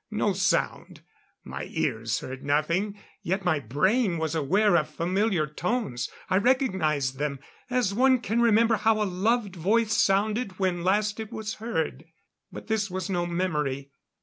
No sound; my ears heard nothing. Yet my brain was aware of familiar tones. I recognized them, as one can remember how a loved voice sounded when last it was heard. But this was no memory.